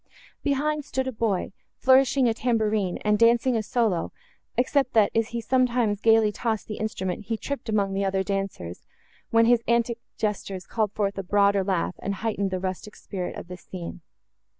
Behind, stood a boy, flourishing a tamborine, and dancing a solo, except that, as he sometimes gaily tossed the instrument, he tripped among the other dancers, when his antic gestures called forth a broader laugh, and heightened the rustic spirit of the scene.